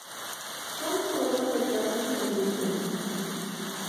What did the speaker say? Son todo retratos en busto.